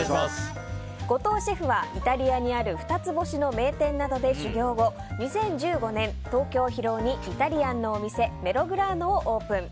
後藤シェフはイタリアにある二つ星の名店などで修業後２０１５年、東京・広尾にイタリアンのお店メログラーノをオープン。